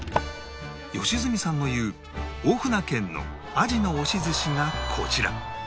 良純さんの言う大船軒の鯵の押寿しがこちら